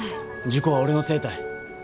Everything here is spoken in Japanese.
事故は俺のせいたい。